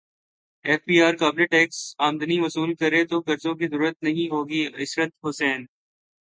F B R قابل tax امدنی وصول کرے تو قرضوں کی ضرورت نہیں ہوگی عشرت حسین